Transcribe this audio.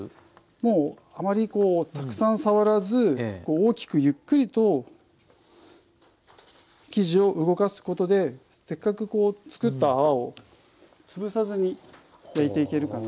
もうあまりたくさん触らず大きくゆっくりと生地を動かすことでせっかく作った泡を潰さずに焼いていけるかなと。